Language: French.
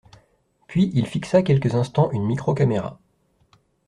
Puis il fixa quelques instants une micro-caméra.